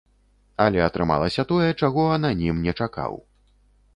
Але атрымалася тое, чаго ананім не чакаў.